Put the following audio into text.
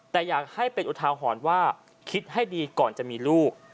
แต่อยากให้เป็นอุทาหรณ์ว่าคิดให้ดีก่อนจะมีลูก